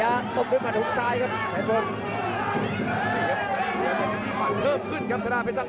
อันเบนเกณฑ์ก่อนครับ